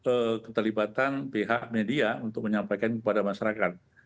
ini bagian dari upaya keterlibatan pihak media untuk menyampaikan kepada masyarakat